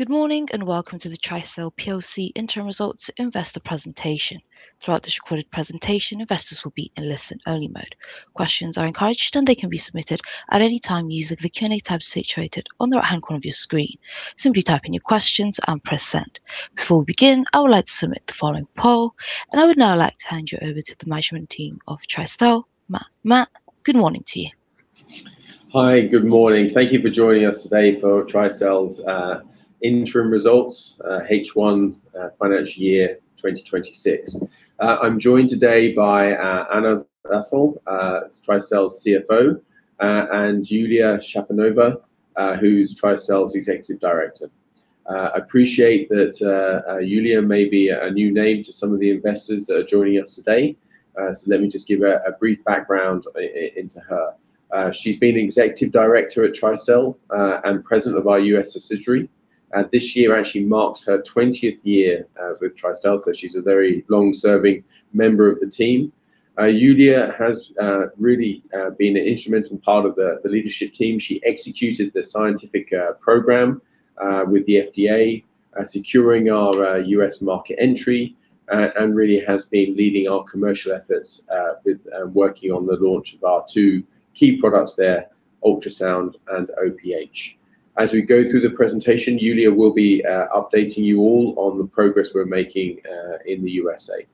Good morning, welcome to the Tristel plc interim results investor presentation. Throughout this recorded presentation, investors will be in listen-only mode. Questions are encouraged, and they can be submitted at any time using the Q&A tab situated on the right-hand corner of your screen. Simply type in your questions and press Send. Before we begin, I would like to submit the following poll, and I would now like to hand you over to the management team of Tristel. Matt, good morning to you. Hi. Good morning. Thank you for joining us today for Tristel's interim results, H1 financial year 2026. I'm joined today by Anna Wasyl, Tristel's CFO, and Julija Shabanova, who's Tristel's Executive Director. I appreciate that Julija may be a new name to some of the investors that are joining us today, so let me just give a brief background into her. She's been executive director at Tristel and president of our U.S. subsidiary. This year actually marks her 20th year with Tristel, so she's a very long-serving member of the team. Julija has really been an instrumental part of the leadership team. She executed the scientific program with the FDA, securing our U.S. market entry, and really has been leading our commercial efforts with working on the launch of our two key products there, Ultrasound and OPH. As we go through the presentation, Julija will be updating you all on the progress we're making in the U.S.A.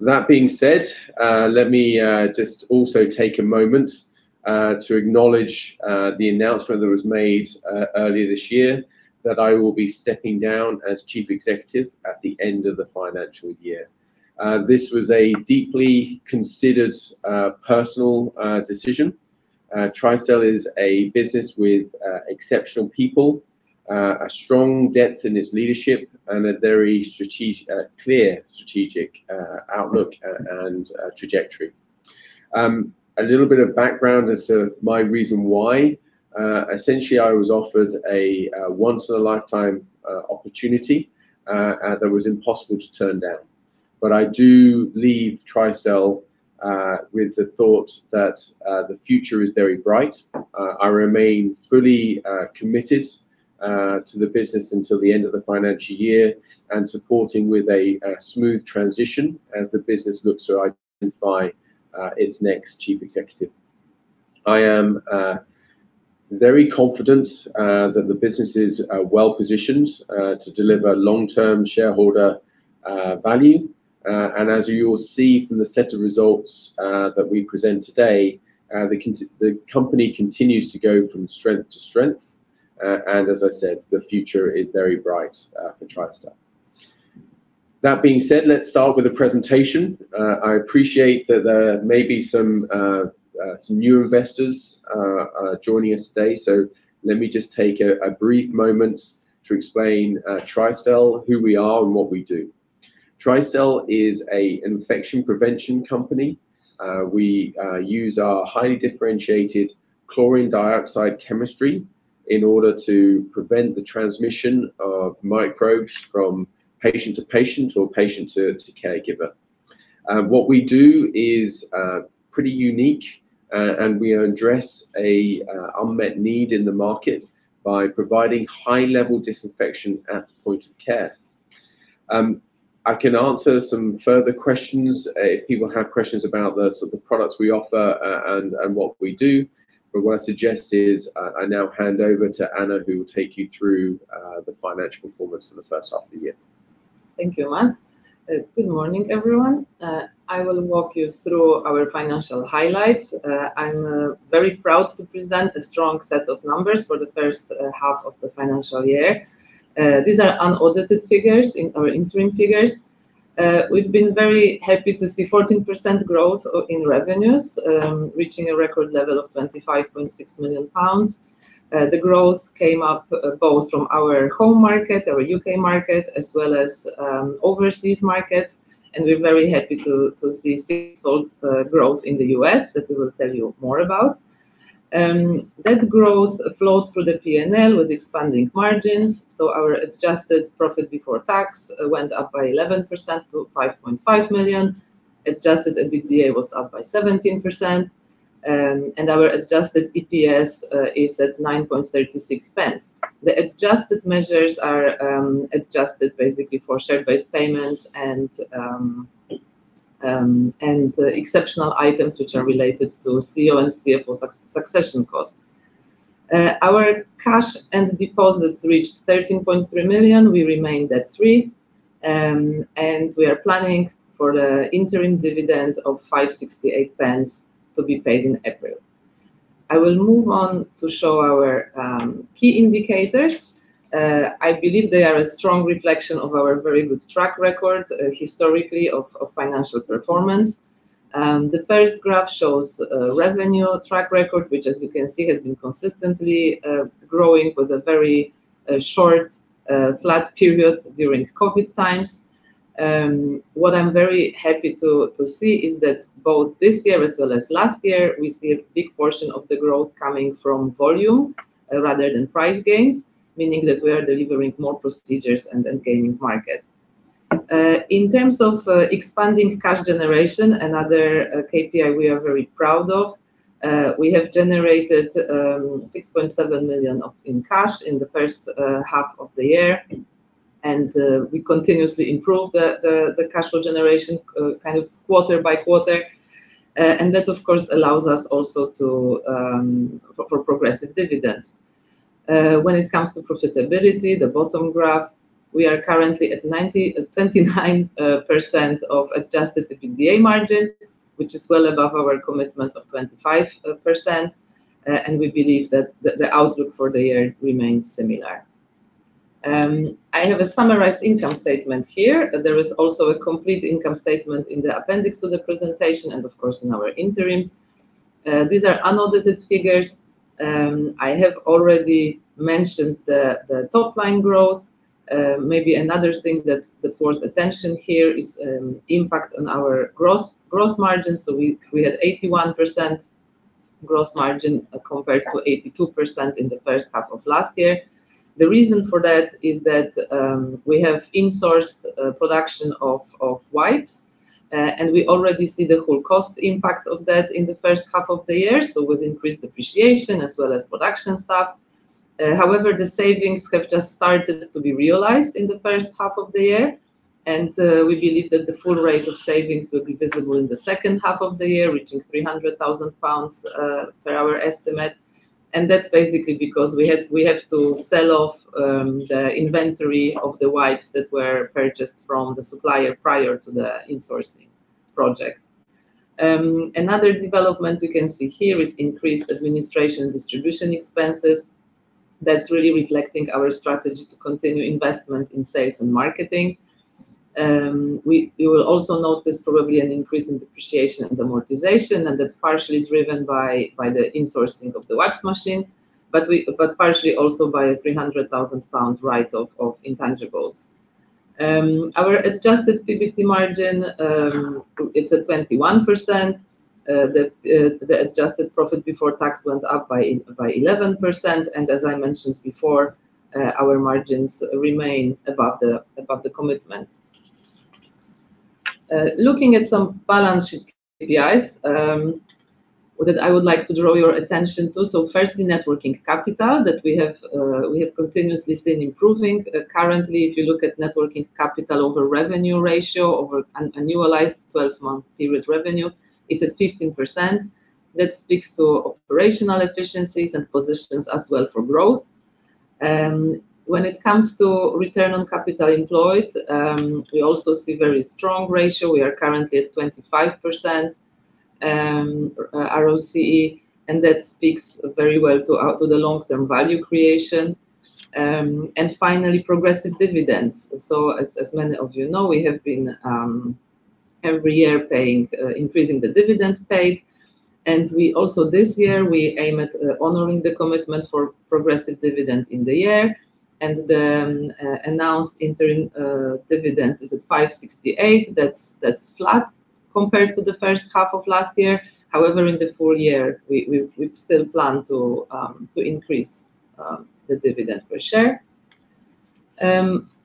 That being said, let me just also take a moment to acknowledge the announcement that was made earlier this year that I will be stepping down as Chief Executive at the end of the financial year. This was a deeply considered personal decision. Tristel is a business with exceptional people, a strong depth in its leadership and a very clear strategic outlook and trajectory. A little bit of background as to my reason why. Essentially I was offered a once-in-a-lifetime opportunity that was impossible to turn down. I do leave Tristel with the thought that the future is very bright. I remain fully committed to the business until the end of the financial year and supporting with a smooth transition as the business looks to identify its next chief executive. I am very confident that the business is well positioned to deliver long-term shareholder value. As you will see from the set of results that we present today, the company continues to go from strength to strength. As I said, the future is very bright for Tristel. That being said, let's start with the presentation. I appreciate that there may be some new investors joining us today. Let me just take a brief moment to explain Tristel, who we are and what we do. Tristel is an infection prevention company. We use our highly differentiated chlorine dioxide chemistry in order to prevent the transmission of microbes from patient to patient or patient to caregiver. What we do is pretty unique, and we address an unmet need in the market by providing high-level disinfection at the point of care. I can answer some further questions if people have questions about the sort of products we offer and what we do. What I suggest is I now hand over to Anna, who will take you through the financial performance for the first half of the year. Thank you, Matt. Good morning, everyone. I will walk you through our financial highlights. I'm very proud to present a strong set of numbers for the first half of the financial year. These are unaudited figures and our interim figures. We've been very happy to see 14% growth in revenues, reaching a record level of 25.6 million pounds. The growth came up both from our home market, our U.K. market, as well as overseas markets. We're very happy to see significant growth in the U.S. that we will tell you more about. That growth flowed through the P&L with expanding margins. Our adjusted profit before tax went up by 11% to 5.5 million. Adjusted EBITDA was up by 17%. Our adjusted EPS is at 9.36. The adjusted measures are adjusted basically for share-based payments and exceptional items which are related to CEO and CFO succession costs. Our cash and deposits reached 13.3 million. We remain debt-free. We are planning for the interim dividend of 5.68 to be paid in April. I will move on to show our key indicators. I believe they are a strong reflection of our very good track record historically of financial performance. The first graph shows revenue track record, which as you can see, has been consistently growing with a very short flat period during COVID times. What I'm very happy to see is that both this year as well as last year, we see a big portion of the growth coming from volume rather than price gains, meaning that we are delivering more procedures and gaining market. In terms of expanding cash generation, another KPI we are very proud of, we have generated 6.7 million in cash in the first half of the year. We continuously improve the cash flow generation kind of quarter-by-quarter. That of course allows us also to for progressive dividends. When it comes to profitability, the bottom graph, we are currently at 29% of adjusted EBITDA margin, which is well above our commitment of 25%. We believe that the outlook for the year remains similar. I have a summarized income statement here. There is also a complete income statement in the appendix to the presentation and of course in our interims. These are unaudited figures. I have already mentioned the top line growth. Maybe another thing that's worth attention here is impact on our gross margins. We had 81% gross margin compared to 82% in the first half of last year. The reason for that is that we have insourced production of wipes, and we already see the whole cost impact of that in the first half of the year. With increased depreciation as well as production staff. However, the savings have just started to be realized in the first half of the year, and we believe that the full rate of savings will be visible in the second half of the year, reaching 300 thousand pounds per our estimate. That's basically because we have to sell off the inventory of the wipes that were purchased from the supplier prior to the insourcing project. Another development you can see here is increased administration and distribution expenses. That's really reflecting our strategy to continue investment in sales and marketing. You will also notice probably an increase in depreciation and amortization, and that's partially driven by the insourcing of the wipes machine, but partially also by a 300 thousand pound write-off of intangibles. Our adjusted PBT margin, it's at 21%. The adjusted Profit Before Tax went up by 11%, and as I mentioned before, our margins remain above the, above the commitment. Looking at some balance sheet KPIs that I would like to draw your attention to. Firstly, networking capital that we have, we have continuously seen improving. Currently, if you look at networking capital over revenue ratio over an annualized 12-month period revenue, it's at 15%. That speaks to operational efficiencies and positions as well for growth. When it comes to return on capital employed, we also see very strong ratio. We are currently at 25% ROCE, and that speaks very well to the long-term value creation. Finally, progressive dividends. As many of you know, we have been every year paying increasing the dividends paid. We also, this year, we aim at honoring the commitment for progressive dividends in the year. The announced interim dividends is at 5.68. That's flat compared to the first half of last year. However, in the full year, we still plan to increase the dividend per share.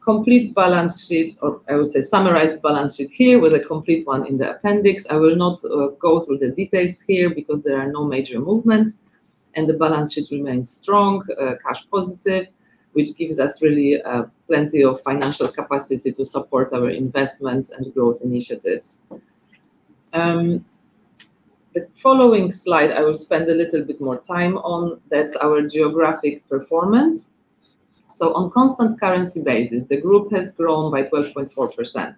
Complete balance sheet, or I would say summarized balance sheet here with a complete one in the appendix. I will not go through the details here because there are no major movements, and the balance sheet remains strong, cash positive, which gives us really plenty of financial capacity to support our investments and growth initiatives. The following slide I will spend a little bit more time on, that's our geographic performance. On constant currency basis, the group has grown by 12.4%.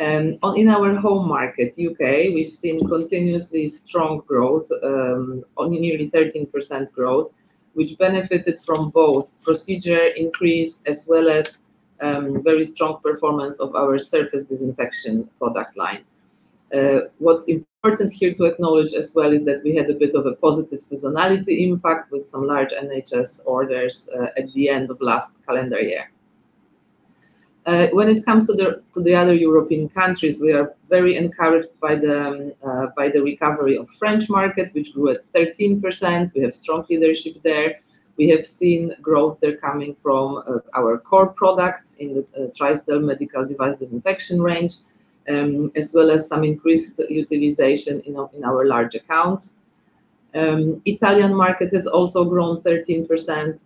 In our home market, U.K., we've seen continuously strong growth, nearly 13% growth, which benefited from both procedure increase as well as very strong performance of our surface disinfection product line. What's important here to acknowledge as well is that we had a bit of a positive seasonality impact with some large NHS orders at the end of last calendar year. When it comes to the other European countries, we are very encouraged by the recovery of French market, which grew at 13%. We have strong leadership there. We have seen growth there coming from our core products in the Tristel medical device disinfection range, as well as some increased utilization in our large accounts. Italian market has also grown 13%,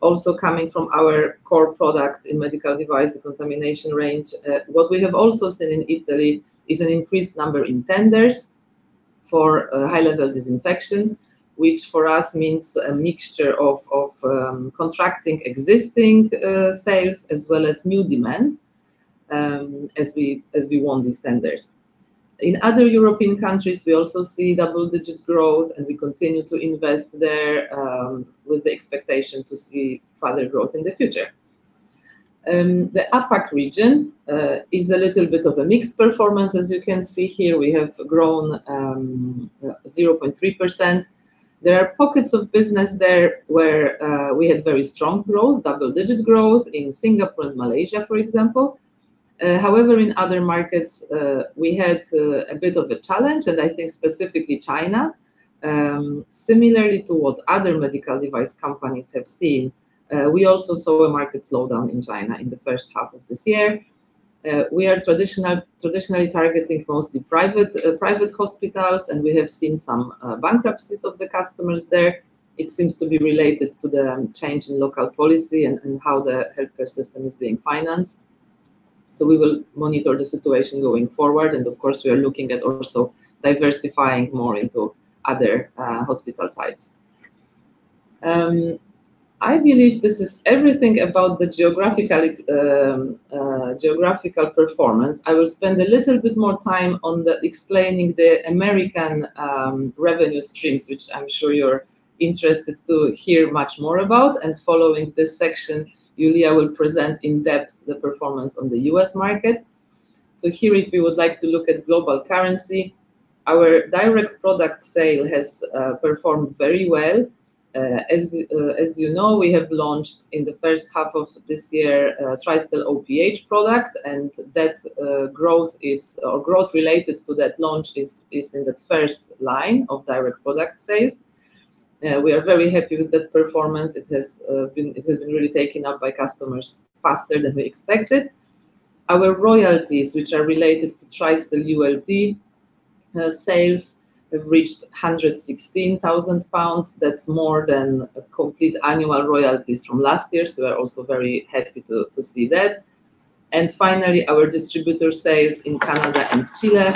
also coming from our core products in medical device decontamination range. What we have also seen in Italy is an increased number in tenders for high-level disinfection, which for us means a mixture of contracting existing sales as well as new demand as we won these tenders. In other European countries, we also see double-digit growth, we continue to invest there with the expectation to see further growth in the future. The APAC region is a little bit of a mixed performance. As you can see here, we have grown 0.3%. There are pockets of business there where we had very strong growth, double-digit growth in Singapore and Malaysia, for example. However, in other markets, we had a bit of a challenge, and I think specifically China. Similarly to what other medical device companies have seen, we also saw a market slowdown in China in the first half of this year. We are traditionally targeting mostly private hospitals, and we have seen some bankruptcies of the customers there. It seems to be related to the change in local policy and how the healthcare system is being financed. We will monitor the situation going forward, and of course, we are looking at also diversifying more into other hospital types. I believe this is everything about the geographical performance. I will spend a little bit more time on the explaining the American revenue streams, which I'm sure you're interested to hear much more about. Following this section, Julija will present in depth the performance on the U.S. market. Here, if you would like to look at global currency, our direct product sale has performed very well. As you know, we have launched in the first half of this year, Tristel OPH product, and that growth is, or growth related to that launch is in that first line of direct product sales. We are very happy with that performance. It has been really taken up by customers faster than we expected. Our royalties, which are related to Tristel ULT sales have reached 116,000 pounds. That's more than complete annual royalties from last year, so we're also very happy to see that. Finally, our distributor sales in Canada and Chile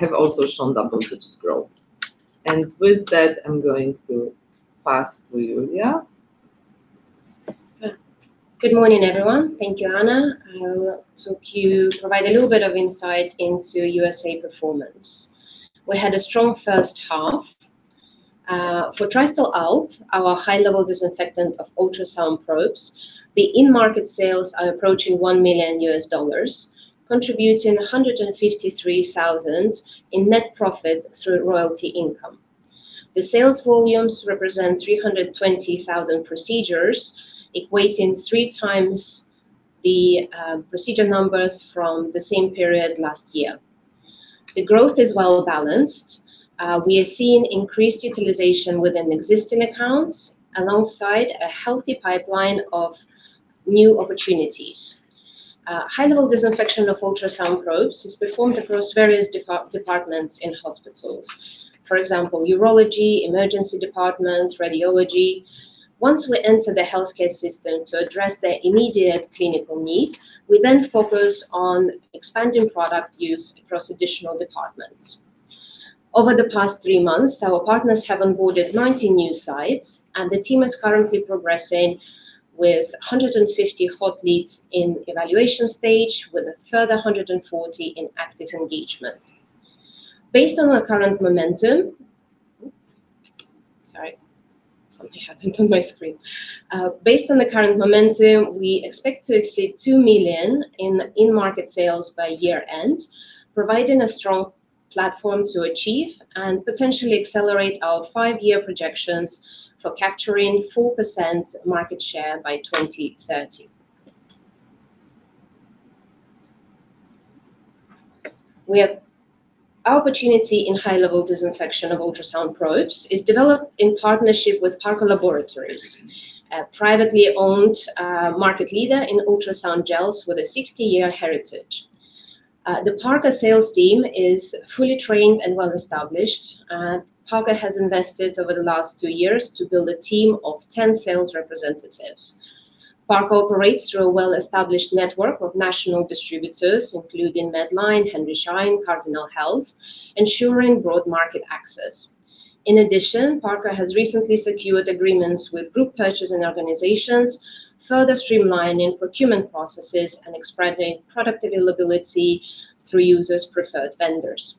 have also shown double-digit growth. With that, I'm going to pass to Julija. Good morning, everyone. Thank you, Anna. I will provide a little bit of insight into USA performance. We had a strong first half. For Tristel ULT, our high-level disinfectant of ultrasound probes, the in-market sales are approaching $1 million, contributing GBP 153,000 in net profit through royalty income. The sales volumes represent 320,000 procedures, equating 3x the procedure numbers from the same period last year. The growth is well-balanced. We are seeing increased utilization within existing accounts alongside a healthy pipeline of new opportunities. High-level disinfection of ultrasound probes is performed across various departments in hospitals. For example, urology, emergency departments, radiology. Once we enter the healthcare system to address their immediate clinical need, we then focus on expanding product use across additional departments. Over the past three months, our partners have onboarded 90 new sites. The team is currently progressing with 150 hot leads in evaluation stage, with a further 140 in active engagement. Based on our current momentum... Oops, sorry. Something happened on my screen. Based on the current momentum, we expect to exceed $2 million in in-market sales by year-end, providing a strong platform to achieve and potentially accelerate our five-year projections for capturing 4% market share by 2030. Our opportunity in high-level disinfection of ultrasound probes is developed in partnership with Parker Laboratories, a privately owned, market leader in ultrasound gels with a 60-year heritage. The Parker sales team is fully trained and well-established. Parker has invested over the last two years to build a team of 10 sales representatives. Parker Laboratories operates through a well-established network of national distributors, including Medline, Henry Schein, Inc., Cardinal Health, ensuring broad market access. In addition, Parker Laboratories has recently secured agreements with group purchasing organizations, further streamlining procurement processes and expanding product availability through users' preferred vendors.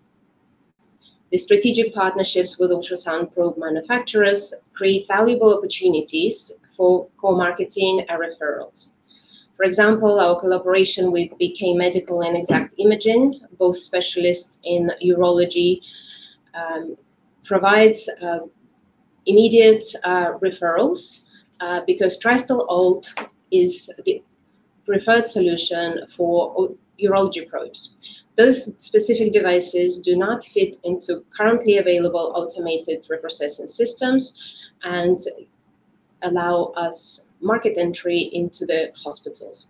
The strategic partnerships with ultrasound probe manufacturers create valuable opportunities for co-marketing and referrals. For example, our collaboration with BK Medical and Exact Imaging, both specialists in urology, provides immediate referrals because Tristel ULT is the preferred solution for urology probes. Those specific devices do not fit into currently available automated reprocessing systems and allow us market entry into the hospitals.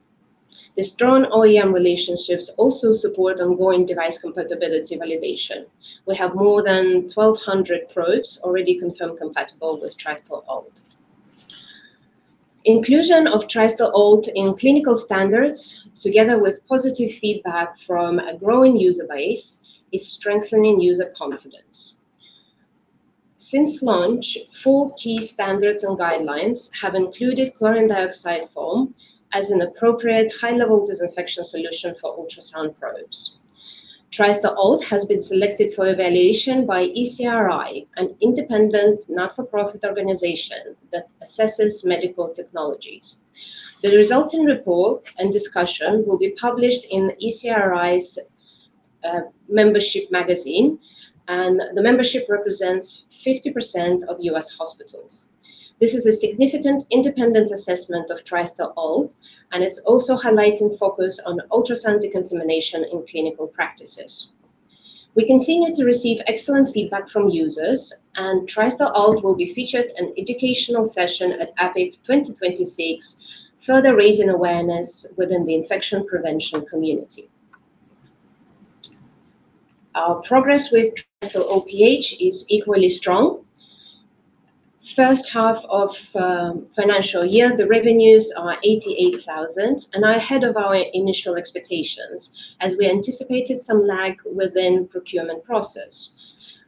The strong OEM relationships also support ongoing device compatibility validation. We have more than 1,200 probes already confirmed compatible with Tristel ULT. Inclusion of Tristel ULT in clinical standards, together with positive feedback from a growing user base, is strengthening user confidence. Since launch, four key standards and guidelines have included chlorine dioxide foam as an appropriate high-level disinfection solution for ultrasound probes. Tristel ULT has been selected for evaluation by ECRI, an independent, not-for-profit organization that assesses medical technologies. The resulting report and discussion will be published in ECRI's membership magazine. The membership represents 50% of U.S. hospitals. This is a significant independent assessment of Tristel ULT. It's also highlighting focus on ultrasonic decontamination in clinical practices. We continue to receive excellent feedback from users. Tristel ULT will be featured in educational session at APIC 2026, further raising awareness within the infection prevention community. Our progress with Tristel OPH is equally strong. First half of financial year, the revenues are 88,000 and are ahead of our initial expectations as we anticipated some lag within procurement process.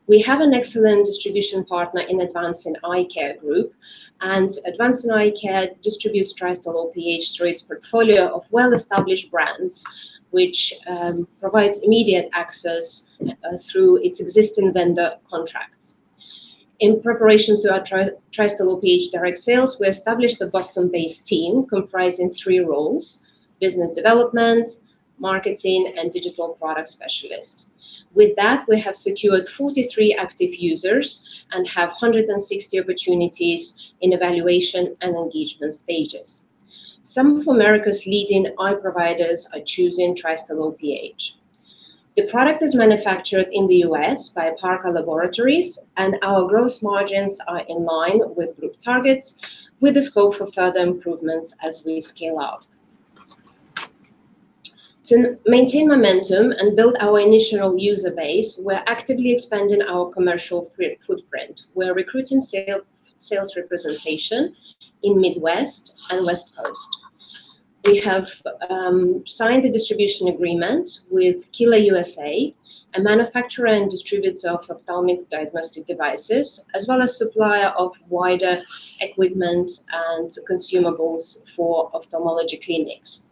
We have an excellent distribution partner in Advancing Eyecare Group, and Advancing Eyecare distributes Tristel OPH through its portfolio of well-established brands, which provides immediate access through its existing vendor contracts. In preparation to our Tristel OPH direct sales, we established a Boston-based team comprising three roles: business development, marketing, and digital product specialist. With that, we have secured 43 active users and have 160 opportunities in evaluation and engagement stages. Some of America's leading eye providers are choosing Tristel OPH. The product is manufactured in the U.S. by Parker Laboratories, and our gross margins are in line with group targets with the scope for further improvements as we scale up. To maintain momentum and build our initial user base, we're actively expanding our commercial footprint. We're recruiting sales representation in Midwest and West Coast. We have signed a distribution agreement with Keeler USA, a manufacturer and distributor of ophthalmic diagnostic devices, as well as supplier of wider equipment and consumables for ophthalmology clinics.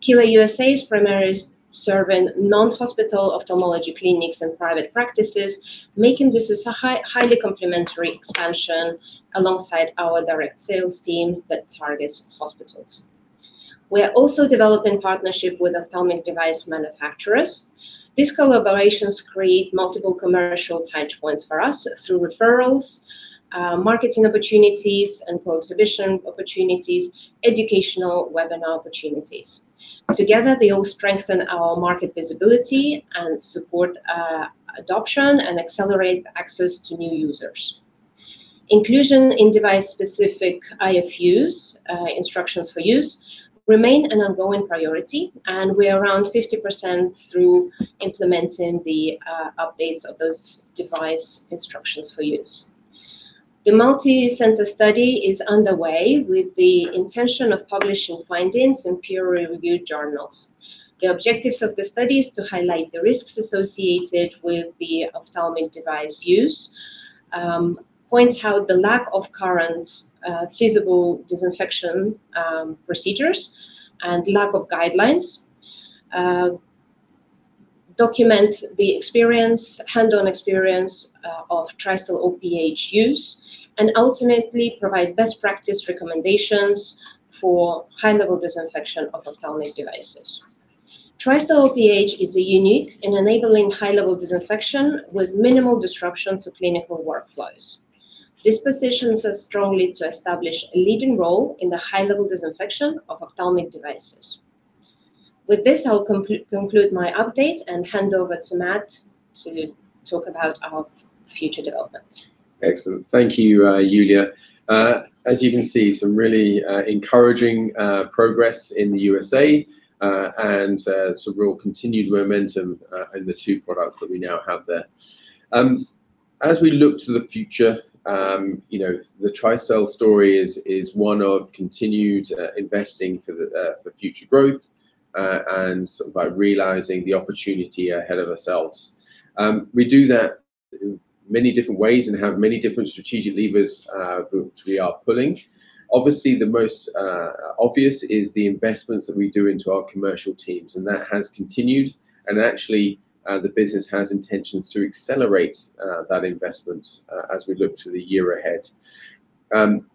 Keeler USA is primarily serving non-hospital ophthalmology clinics and private practices, making this a highly complementary expansion alongside our direct sales teams that targets hospitals. We are also developing partnership with ophthalmic device manufacturers. These collaborations create multiple commercial touchpoints for us through referrals, marketing opportunities, and co-exhibition opportunities, educational webinar opportunities. Together, they all strengthen our market visibility and support adoption and accelerate the access to new users. Inclusion in device-specific IFUs, instructions for use, remain an ongoing priority, and we're around 50% through implementing the updates of those device instructions for use. The multi-center study is underway with the intention of publishing findings in peer-reviewed journals. The objectives of the study is to highlight the risks associated with the ophthalmic device use, points out the lack of current, feasible disinfection procedures, and lack of guidelines, document the hands-on experience of Tristel OPH use, and ultimately provide best practice recommendations for high-level disinfection of ophthalmic devices. Tristel OPH is unique in enabling high-level disinfection with minimal disruption to clinical workflows. This positions us strongly to establish a leading role in the high-level disinfection of ophthalmic devices. With this, I'll conclude my update and hand over to Matt to talk about our future developments. Excellent. Thank you, Julija. As you can see, some really encouraging progress in the USA, and some real continued momentum in the two products that we now have there. As we look to the future, you know, the Tristel story is one of continued investing for the for future growth, and sort of by realizing the opportunity ahead of ourselves. We do that in many different ways and have many different strategic levers which we are pulling. Obviously, the most obvious is the investments that we do into our commercial teams, and that has continued, and actually, the business has intentions to accelerate that investment as we look to the year ahead.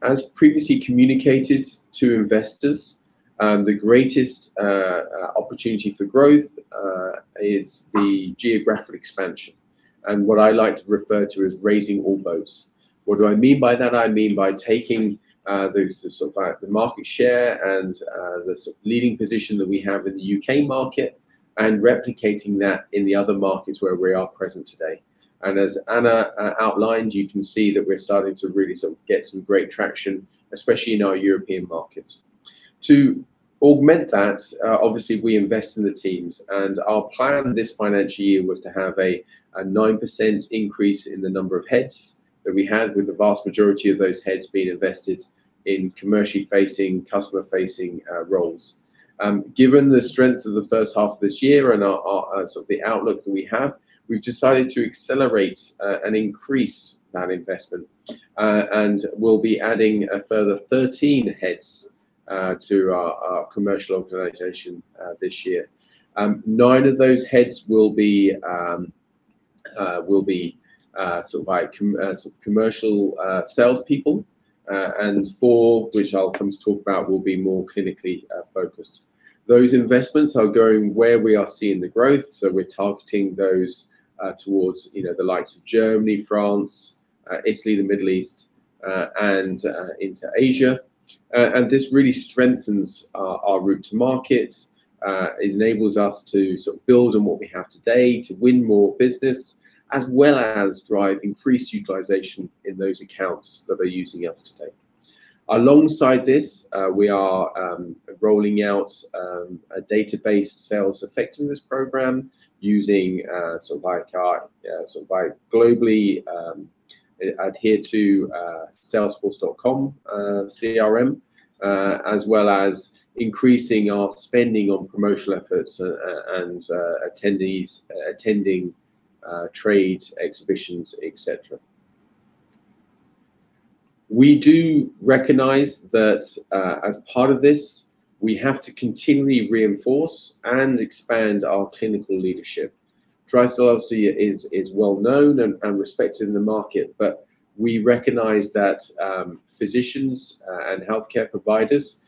As previously communicated to investors, the greatest opportunity for growth is the geographic expansion and what I like to refer to as raising all boats. What do I mean by that? I mean by taking the sort of the market share and the sort of leading position that we have in the U.K. market and replicating that in the other markets where we are present today. As Anna outlined, you can see that we're starting to really get some great traction, especially in our European markets. To augment that, obviously, we invest in the teams, and our plan this financial year was to have a 9% increase in the number of heads that we had, with the vast majority of those heads being invested in commercially facing, customer facing, roles. Given the strength of the first half of this year and our outlook that we have, we've decided to accelerate and increase that investment, and we'll be adding a further 13 heads to our commercial organization this year. Nine of those heads will be commercial salespeople, and four, which I'll come to talk about, will be more clinically focused. Those investments are going where we are seeing the growth, so we're targeting those towards, you know, the likes of Germany, France, Italy, the Middle East and into Asia. This really strengthens our route to market, it enables us to sort of build on what we have today to win more business as well as drive increased utilization in those accounts that are using us today. Alongside this, we are rolling out a database sales effectiveness program using, [inaudible] globally adhere to Salesforce.com CRM, as well as increasing our spending on promotional efforts and attendees attending trade exhibitions, et cetera. We do recognize that, as part of this, we have to continually reinforce and expand our clinical leadership. Tristel obviously is well known and respected in the market, but we recognize that physicians, and healthcare providers,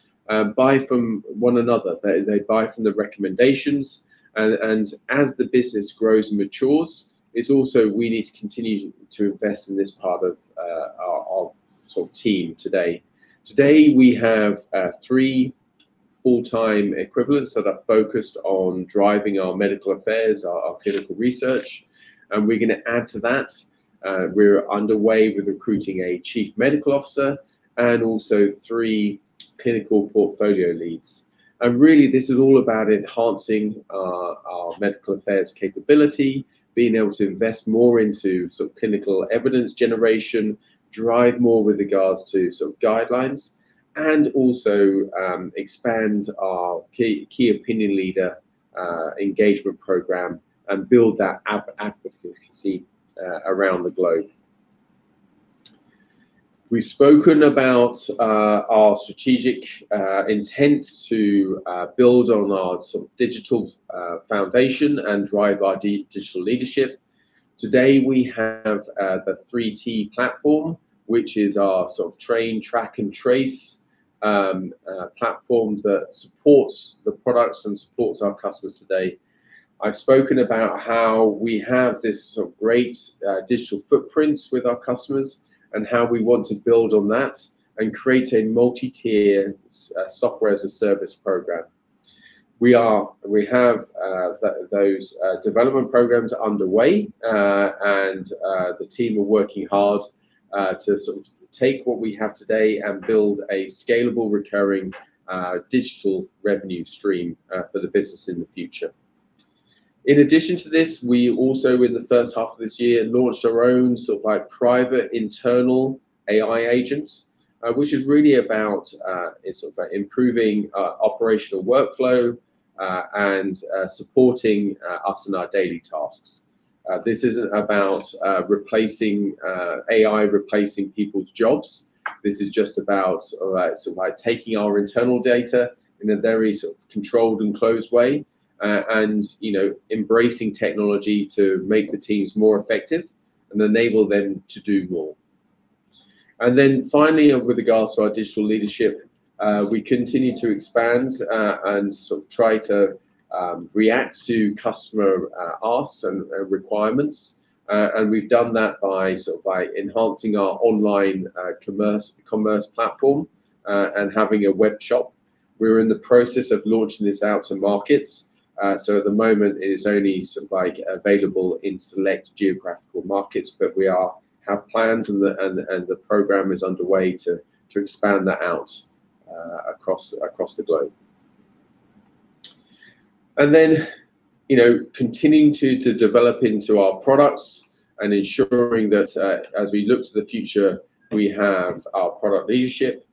buy from one another. They buy from the recommendations and as the business grows and matures, it's also we need to continue to invest in this part of our sort of team today. Today, we have 3 full-time equivalents that are focused on driving our medical affairs, our clinical research, and we're gonna add to that. We're underway with recruiting a chief medical officer and also 3 clinical portfolio leads. Really this is all about enhancing our medical affairs capability, being able to invest more into sort of clinical evidence generation, drive more with regards to sort of guidelines, and also expand our key opinion leader engagement program and build that advocacy around the globe. We've spoken about our strategic intent to build on our sort of digital foundation and drive our digital leadership. Today, we have the 3T platform, which is our sort of train, track, and trace platform that supports the products and supports our customers today. I've spoken about how we have this sort of great digital footprint with our customers and how we want to build on that and create a multi-tier software as a service program. We have those development programs underway, and the team are working hard to sort of take what we have today and build a scalable, recurring digital revenue stream for the business in the future. In addition to this, we also in the first half of this year, launched our own sort of like private internal AI agent, which is really about, it's about improving operational workflow, and supporting us in our daily tasks. This isn't about replacing AI replacing people's jobs. This is just about sort of like taking our internal data in a very sort of controlled and closed way, and, you know, embracing technology to make the teams more effective and enable them to do more. Finally, with regards to our digital leadership, we continue to expand and sort of try to react to customer asks and requirements. We've done that by sort of by enhancing our online commerce platform and having a webshop. We're in the process of launching this out to markets. At the moment it is only sort of like available in select geographical markets, but we have plans and the program is underway to expand that out across the globe. You know, continuing to develop into our products and ensuring that, as we look to the future, we have our product leadership.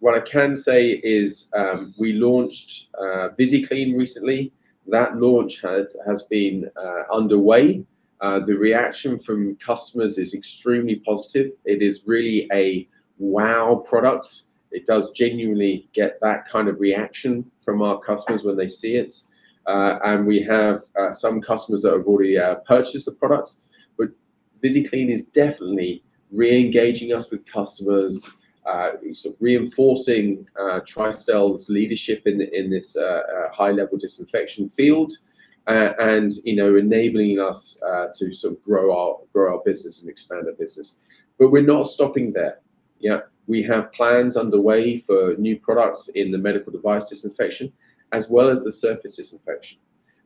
What I can say is, we launched VISICLEAN recently. That launch has been underway. The reaction from customers is extremely positive. It is really a wow product. It does genuinely get that kind of reaction from our customers when they see it. And we have some customers that have already purchased the product. VISICLEAN is definitely re-engaging us with customers, sort of reinforcing Tristel's leadership in this high-level disinfection field, and, you know, enabling us to sort of grow our business and expand our business. We're not stopping there. You know, we have plans underway for new products in the medical device disinfection as well as the surface disinfection.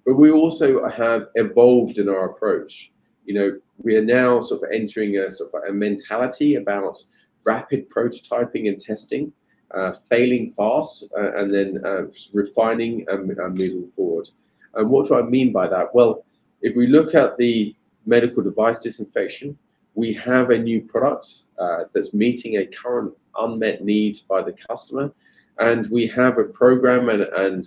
We also have evolved in our approach. You know, we are now sort of entering a sort of a mentality about rapid prototyping and testing, failing fast, and then refining and moving forward. What do I mean by that? Well, if we look at the medical device disinfection, we have a new product, that's meeting a current unmet need by the customer, and we have a program and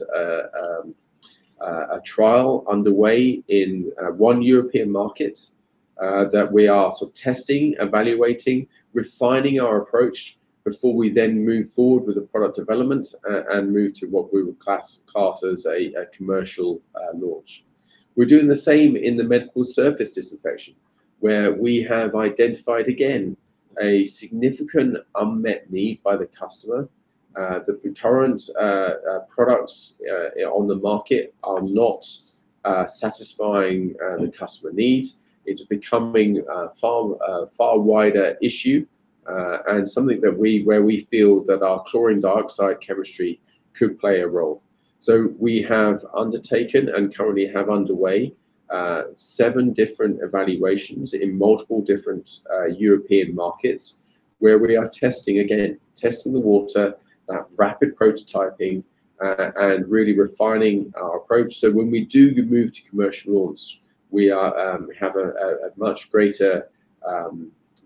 a trial underway in 1 European market, that we are sort of testing, evaluating, refining our approach before we then move forward with the product development and move to what we would class as a commercial launch. We're doing the same in the medical surface disinfection, where we have identified, again, a significant unmet need by the customer, that the current products on the market are not satisfying the customer needs. It's becoming a far wider issue, and something where we feel that our chlorine dioxide chemistry could play a role. We have undertaken and currently have underway, seven different evaluations in multiple different European markets where we are testing. Again, testing the water, that rapid prototyping, and really refining our approach, so when we do move to commercial launch, we have a much greater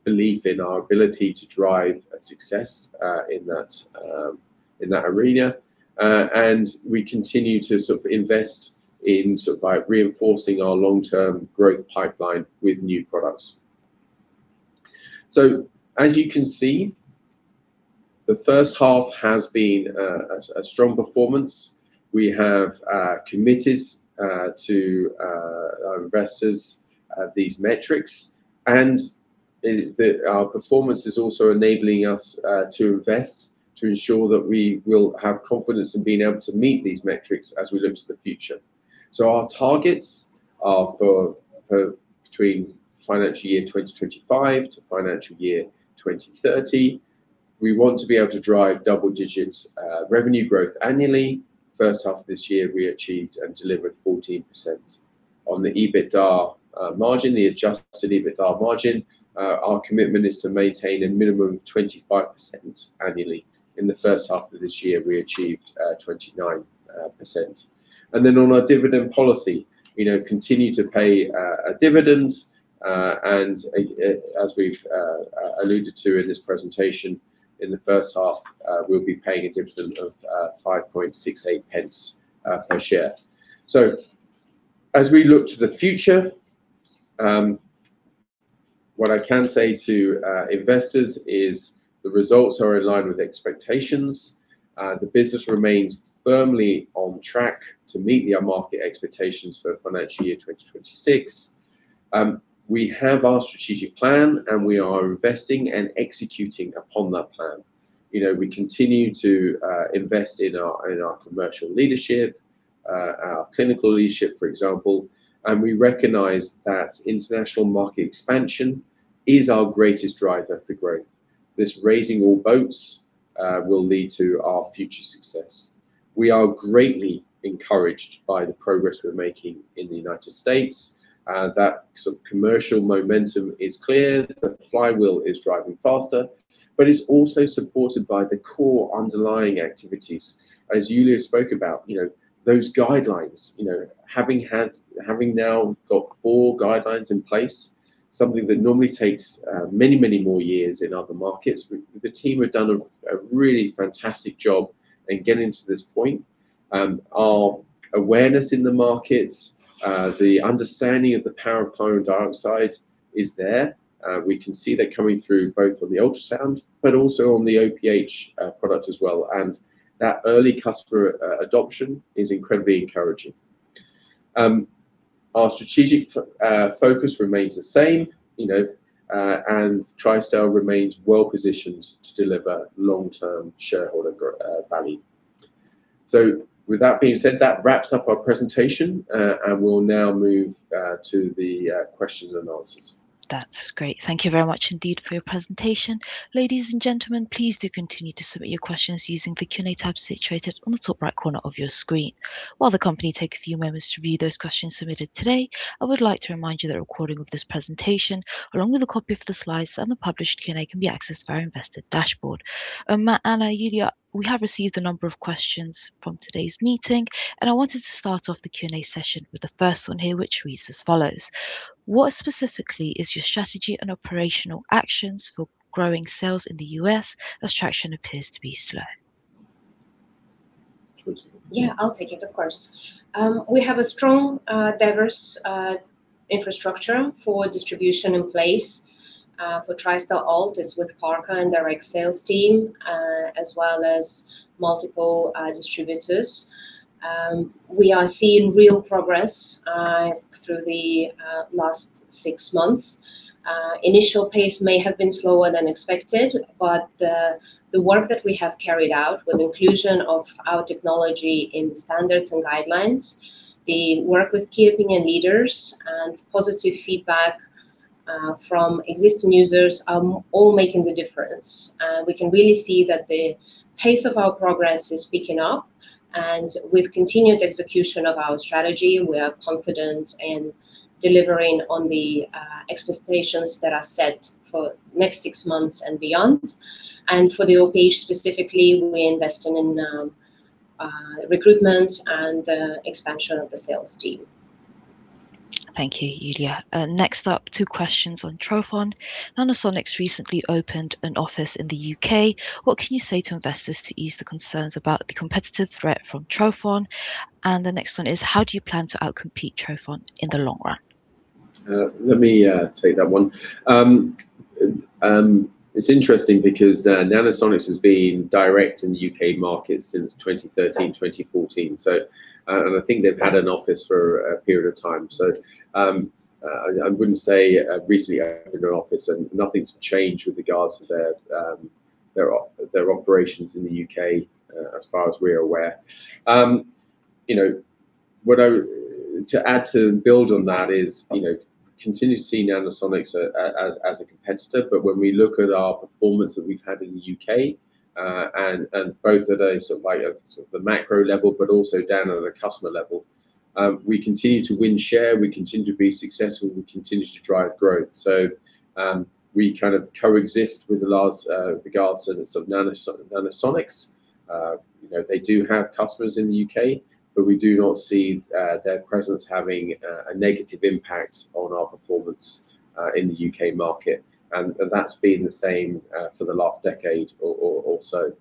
belief in our ability to drive a success in that arena. We continue to sort of invest in sort of like reinforcing our long-term growth pipeline with new products. As you can see, the first half has been a strong performance. We have committed to our investors, these metrics, and our performance is also enabling us to invest to ensure that we will have confidence in being able to meet these metrics as we look to the future. Our targets are for between financial year 2025 to financial year 2030. We want to be able to drive double digits revenue growth annually. First half of this year, we achieved and delivered 14%. On the EBITDA margin, the adjusted EBITDA margin, our commitment is to maintain a minimum of 25% annually. In the first half of this year, we achieved 29%. On our dividend policy, you know, continue to pay a dividend. As we've alluded to in this presentation, in the first half, we'll be paying a dividend of 5.68 per share. As we look to the future, what I can say to investors is the results are in line with expectations. The business remains firmly on track to meet the market expectations for financial year 2026. We have our strategic plan, and we are investing and executing upon that plan. You know, we continue to invest in our, in our commercial leadership, our clinical leadership, for example, and we recognize that international market expansion is our greatest driver for growth. This raising all boats will lead to our future success. We are greatly encouraged by the progress we're making in the United States. That sort of commercial momentum is clear. The flywheel is driving faster, but it's also supported by the core underlying activities. As Julija spoke about, you know, those guidelines, you know, having now got 4 guidelines in place, something that normally takes many, many more years in other markets. The team have done a really fantastic job in getting to this point. Our awareness in the markets, the understanding of the power of chlorine dioxide is there. We can see that coming through both on the ultrasound, but also on the OPH product as well, and that early customer adoption is incredibly encouraging. Our strategic focus remains the same, you know, and Tristel remains well-positioned to deliver long-term shareholder value. With that being said, that wraps up our presentation. We'll now move to the questions and answers. That's great. Thank you very much indeed for your presentation. Ladies and gentlemen, please do continue to submit your questions using the Q&A tab situated on the top right corner of your screen. While the company take a few moments to view those questions submitted today, I would like to remind you that a recording of this presentation, along with a copy of the slides and the published Q&A, can be accessed via our investor dashboard. Matt, Anna, Julija, we have received a number of questions from today's meeting. I wanted to start off the Q&A session with the first one here, which reads as follows: What specifically is your strategy and operational actions for growing sales in the U.S. as traction appears to be slow? Would you- Yeah, I'll take it, of course. We have a strong, diverse infrastructure for distribution in place for Tristel ULT. It's with Parker Laboratories and their direct sales team, as well as multiple distributors. We are seeing real progress through the last 6 months. Initial pace may have been slower than expected, but the work that we have carried out with inclusion of our technology in standards and guidelines, the work with key opinion leaders and positive feedback from existing users are all making the difference. We can really see that the pace of our progress is picking up, and with continued execution of our strategy, we are confident in delivering on the expectations that are set for next 6 months and beyond. For the OPH specifically, we're investing in recruitment and expansion of the sales team. Thank you, Julija. Next up, two questions on trophon. Nanosonics recently opened an office in the U.K. What can you say to investors to ease the concerns about the competitive threat from trophon? The next one is: How do you plan to outcompete trophon in the long run? Let me take that one. It's interesting because Nanosonics has been direct in the U.K. market since 2013, 2014. I think they've had an office for a period of time. I wouldn't say recently opened an office, and nothing's changed with regards to their operations in the U.K. as far as we're aware. You know, to add to and build on that is, you know, continue to see Nanosonics as a competitor. When we look at our performance that we've had in the U.K., and both at a sort of like a the macro level but also down at a customer level, we continue to win share, we continue to be successful, we continue to drive growth. We kind of coexist with the large, with regards to the sort of Nanosonics. you know, they do have customers in the U.K., but we do not see their presence having a negative impact on our performance in the U.K. market. That's been the same for the last decade or so.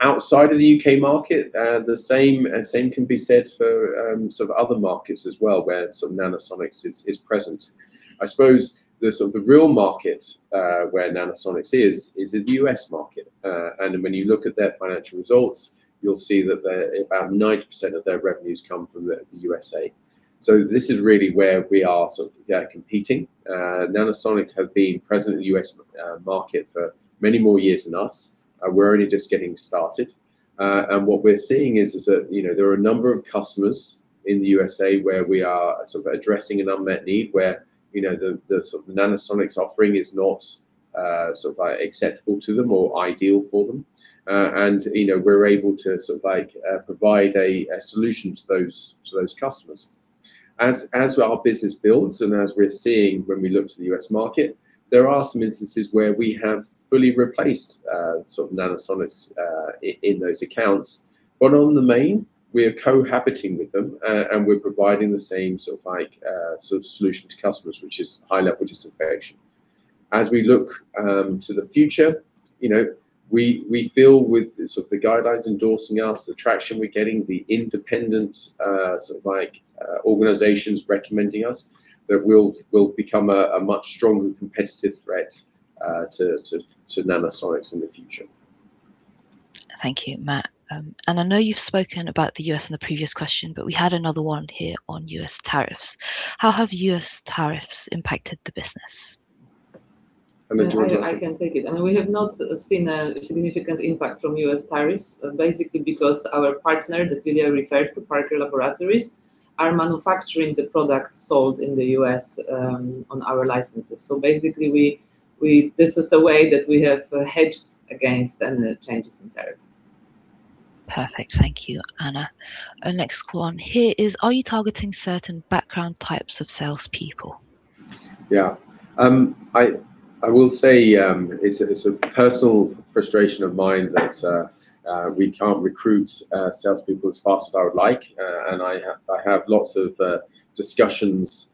Outside of the U.K. market, the same can be said for sort of other markets as well where sort of Nanosonics is present. I suppose the sort of the real market where Nanosonics is the U.S. market. When you look at their financial results, you'll see that their about 90% of their revenues come from the U.S.A. This is really where we are sort of competing. Nanosonics have been present in the U.S. market for many more years than us. We're only just getting started. What we're seeing is that, you know, there are a number of customers in the U.S.A. where we are sort of addressing an unmet need, where, you know, the sort of Nanosonics offering is not, sort of acceptable to them or ideal for them. You know, we're able to sort of like, provide a solution to those customers. As our business builds and as we're seeing when we look to the U.S. market, there are some instances where we have fully replaced, sort of Nanosonics, in those accounts. On the main, we are cohabiting with them, and we're providing the same sort of like, sort of solution to customers, which is high-level disinfection. As we look to the future, you know, we feel with the sort of the guidelines endorsing us, the traction we're getting, the independent, sort of like organizations recommending us, that we'll become a much stronger competitive threat, to Nanosonics in the future. Thank you, Matt. I know you've spoken about the U.S. in the previous question, but we had another one here on U.S. tariffs. How have U.S. tariffs impacted the business? Would you want? I can take it. I mean, we have not seen a significant impact from U.S. tariffs, basically because our partner that Julija referred to, Parker Laboratories, are manufacturing the products sold in the U.S. on our licenses. Basically, This was a way that we have hedged against any changes in tariffs. Perfect. Thank you, Anna. Our next one here is, are you targeting certain background types of salespeople? I will say, it's a, it's a personal frustration of mine that we can't recruit salespeople as fast as I would like. I have, I have lots of discussions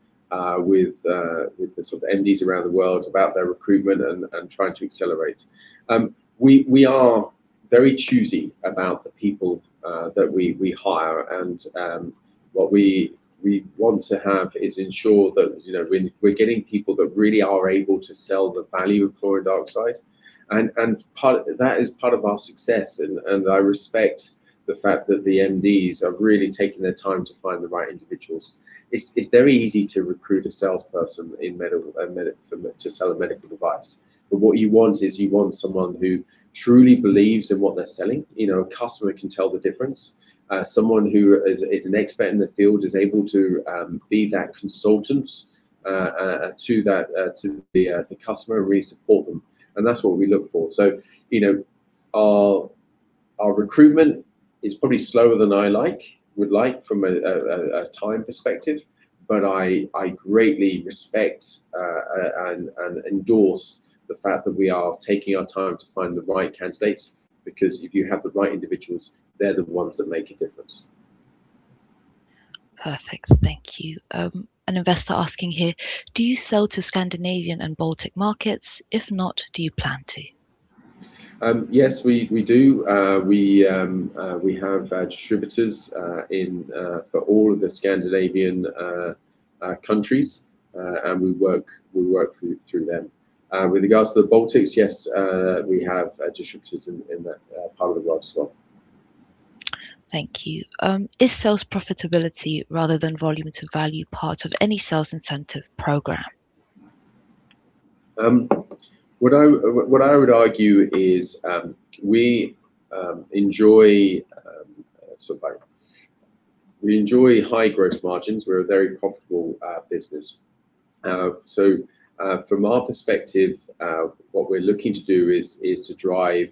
with the sort of MDs around the world about their recruitment and trying to accelerate. We, we are very choosy about the people that we hire. What we want to have is ensure that, you know, we're getting people that really are able to sell the value of chlorine dioxide. That is part of our success, and I respect the fact that the MDs are really taking their time to find the right individuals. It's, it's very easy to recruit a salesperson to sell a medical device. What you want is you want someone who truly believes in what they're selling. You know, a customer can tell the difference. Someone who is an expert in the field, is able to be that consultant to that to the customer and really support them. That's what we look for. You know, our recruitment is probably slower than I like, would like from a time perspective, but I greatly respect and endorse the fact that we are taking our time to find the right candidates, because if you have the right individuals, they're the ones that make a difference. Perfect. Thank you. An investor asking here, do you sell to Scandinavian and Baltic markets? If not, do you plan to? Yes, we do. We have distributors in for all of the Scandinavian countries. We work through them. With regards to the Baltics, yes, we have distributors in that part of the world as well. Thank you. Is sales profitability rather than volume to value part of any sales incentive program? What I would argue is, we enjoy, sort of like. We enjoy high gross margins. We're a very profitable business. From our perspective, what we're looking to do is to drive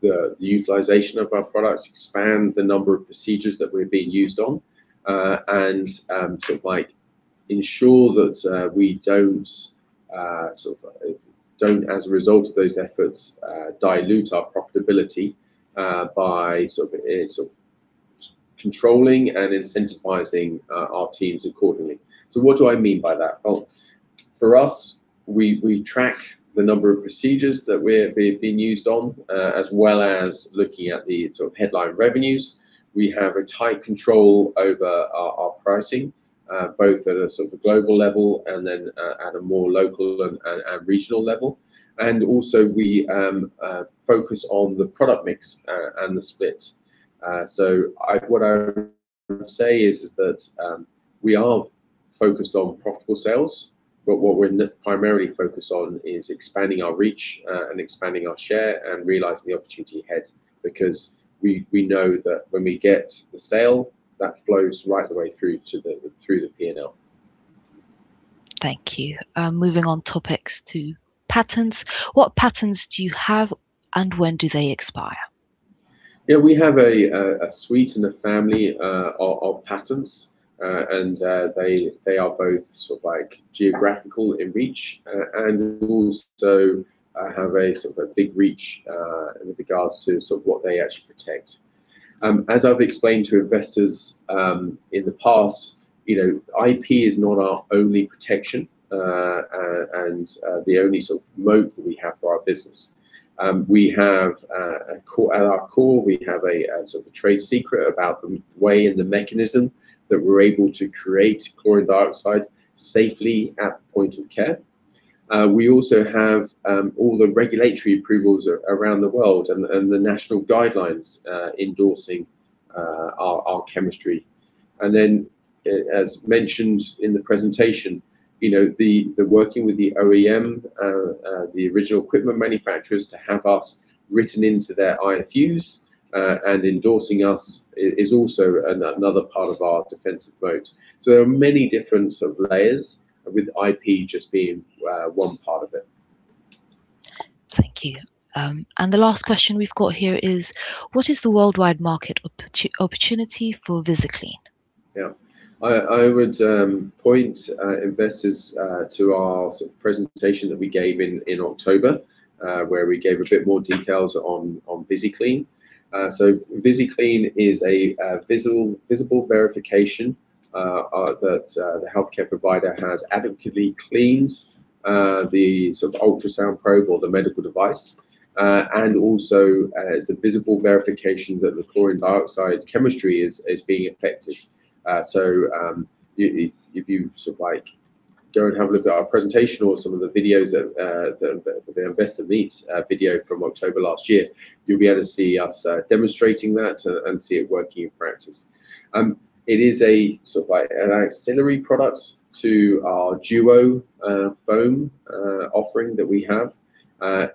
the utilization of our products, expand the number of procedures that we're being used on, and, sort of like ensure that we don't, sort of don't, as a result of those efforts, dilute our profitability, by sort of controlling and incentivizing our teams accordingly. What do I mean by that? Well, for us, we track the number of procedures that we're being used on, as well as looking at the sort of headline revenues. We have a tight control over our pricing, both at a sort of a global level and then at a more local and regional level. Also, we focus on the product mix and the split. What I would say is that we are focused on profitable sales, but what we're primarily focused on is expanding our reach and expanding our share and realizing the opportunity ahead because we know that when we get the sale, that flows right the way through to the P&L. Thank you. Moving on topics to patents. What patents do you have, and when do they expire? Yeah. We have a suite and a family of patents, and they are both sort of like geographical in reach, and also have a sort of a big reach with regards to sort of what they actually protect. As I've explained to investors, in the past, you know, IP is not our only protection, and the only sort of moat that we have for our business. At our core, we have a sort of a trade secret about the way and the mechanism that we're able to create chlorine dioxide safely at point of care. We also have all the regulatory approvals around the world and the national guidelines endorsing our chemistry. As mentioned in the presentation, you know, the working with the OEM, the original equipment manufacturers to have us written into their IFUs, and endorsing us is also another part of our defensive moat. There are many different sort of layers with IP just being one part of it. Thank you. The last question we've got here is: What is the worldwide market opportunity for VISICLEAN? Yeah. I would point investors to our sort of presentation that we gave in October, where we gave a bit more details on VISICLEAN. VISICLEAN is a visible verification that the healthcare provider has adequately cleaned the sort of ultrasound probe or the medical device, and also it's a visible verification that the chlorine dioxide chemistry is being effective. If you sort of like go and have a look at our presentation or some of the videos at the Investor Meet video from October last year, you'll be able to see us demonstrating that and see it working in practice. It is a sort of like an ancillary product to our DUO foam offering that we have,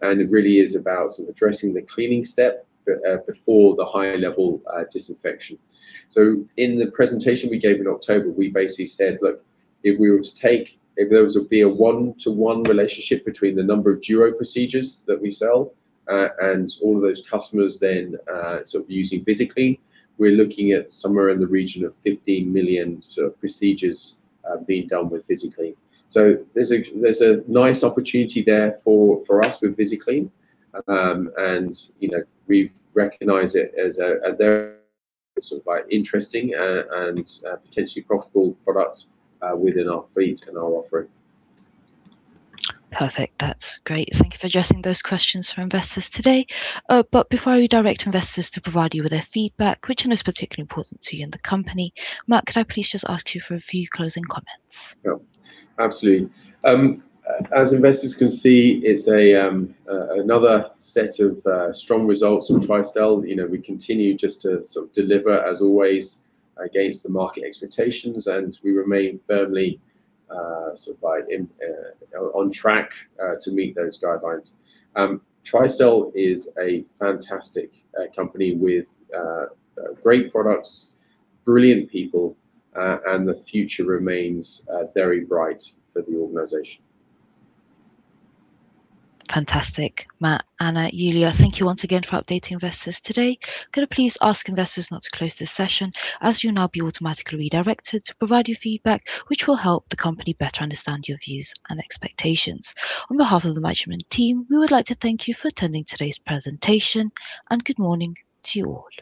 and it really is about sort of addressing the cleaning step before the high-level disinfection. In the presentation we gave in October, we basically said, look, if there was to be a one-to-one relationship between the number of DUO procedures that we sell, and all of those customers then sort of using VISICLEAN, we're looking at somewhere in the region of 15 million sort of procedures being done with VISICLEAN. There's a nice opportunity there for us with VISICLEAN, and, you know, we recognize it as a very sort of like interesting and potentially profitable product within our fleet and our offering. Perfect. That's great. Thank you for addressing those questions from investors today. Before we direct investors to provide you with their feedback, which I know is particularly important to you and the company, Matt, could I please just ask you for a few closing comments? Yeah. Absolutely. As investors can see, it's another set of strong results from Tristel. You know, we continue just to sort of deliver as always against the market expectations, and we remain firmly sort of like in on track to meet those guidelines. Tristel is a fantastic company with great products, brilliant people, and the future remains very bright for the organization. Fantastic, Matt. Julija, thank you once again for updating investors today. Can I please ask investors not to close this session, as you'll now be automatically redirected to provide your feedback which will help the company better understand your views and expectations. On behalf of the management team, we would like to thank you for attending today's presentation. Good morning to you all.